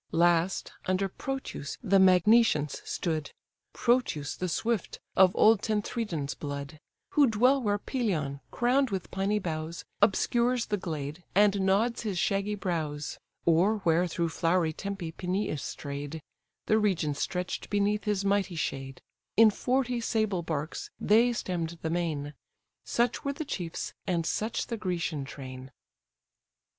Last, under Prothous the Magnesians stood, (Prothous the swift, of old Tenthredon's blood;) Who dwell where Pelion, crown'd with piny boughs, Obscures the glade, and nods his shaggy brows; Or where through flowery Tempe Peneus stray'd: (The region stretch'd beneath his mighty shade:) In forty sable barks they stemm'd the main; Such were the chiefs, and such the Grecian train.